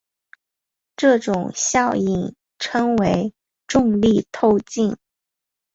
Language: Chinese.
这种效应称为重力透镜。